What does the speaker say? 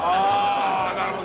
あなるほど。